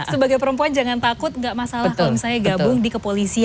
sebagai perempuan jangan takut gak masalah kalau misalnya gabung di kepolisian begitu ya